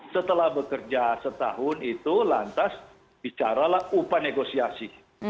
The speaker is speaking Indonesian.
setelah bekerja setahun itu lantas bicaralah upah negosiasi